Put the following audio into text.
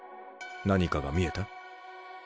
何かが見えた？